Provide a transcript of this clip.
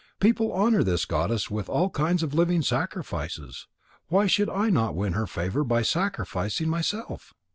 "People honour this goddess with all kinds of living sacrifices. Why should I not win her favour by sacrificing myself?"